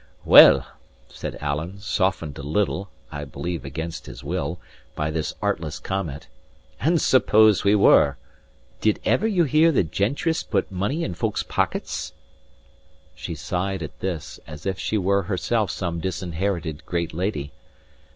"Well," said Alan, softened a little (I believe against his will) by this artless comment, "and suppose we were? Did ever you hear that gentrice put money in folk's pockets?" She sighed at this, as if she were herself some disinherited great lady.